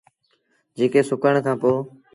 جيڪي سُڪڻ کآݩ پو۔